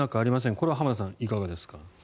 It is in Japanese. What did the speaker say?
これは浜田さん、いかがですか？